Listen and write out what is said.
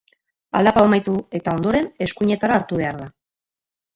Aldapa hau amaitu eta ondoren, eskuinetara hartu behar da.